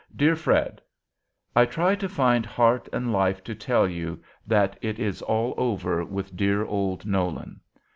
"DEAR FRED: I try to find heart and life to tell you that it is all over with dear old Nolan.